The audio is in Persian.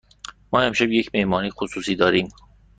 ما امشب یک مهمانی خصوصی داریم.